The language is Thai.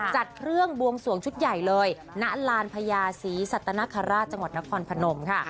จัดเครื่องบวงสวงชุดใหญ่เลยณลานพญาศรีสัตนคราชจังหวัดนครพนมค่ะ